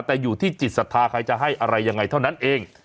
แต่อยู่ที่จิตศรัทธาใครจะให้อะไรยังไงเท่านั้นเอง